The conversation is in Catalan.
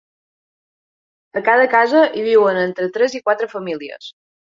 A cada casa hi viuen entre tres i quatre famílies.